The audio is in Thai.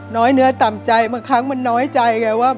น้อยเนื้อต่ำใจบางครั้งมันน้อยใจไงว่า